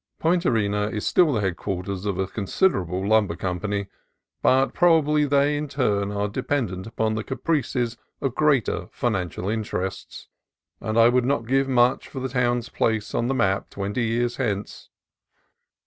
Point Arena is still the headquarters of a considerable lumber company, but probably they, in turn, are dependent upon the caprices of greater financial interests, and I would not give much for the town's place on the map twenty years hence.